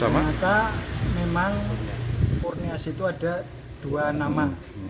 ternyata memang kurniasih itu ada dua nama